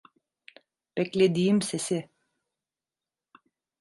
Beklediğim sesi.